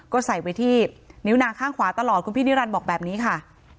ก็ใส่ไว้ที่นิ้วนางข้างขวาตลอดคุณพี่นิรันดิ์บอกแบบนี้ค่ะ